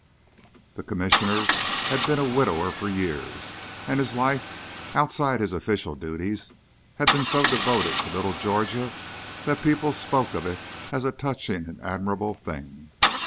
The Commissioner had been a widower for years, and his life, outside his official duties, had been so devoted to little Georgia that people spoke of it as a touching and admirable thing.